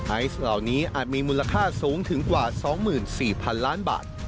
ไอซ์เหล่านี้อาจมีมูลค่าสูงถึงกว่า๒๔๐๐๐ล้านบาท